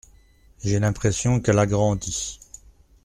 J’ai l’impression qu’elle a grandi.